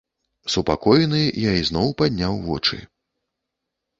Супакоены, я ізноў падняў вочы.